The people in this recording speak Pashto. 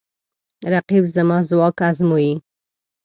رقیب زما ځواک ازموي